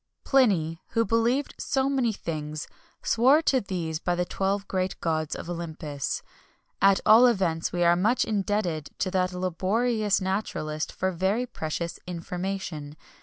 Pliny, who believed so many things, swore to these by the twelve great gods of Olympus. At all events, we are much indebted to that laborious naturalist for very precious information.